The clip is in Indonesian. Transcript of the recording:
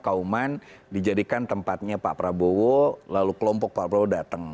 kauman dijadikan tempatnya pak prabowo lalu kelompok pak prabowo datang